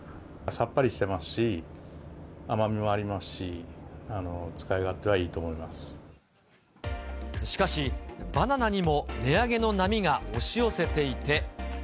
さっぱりしてますし、甘みもありますし、しかし、バナナにも値上げの波が押し寄せていて。